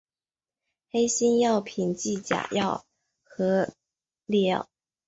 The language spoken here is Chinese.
黑心药品即假药和劣药。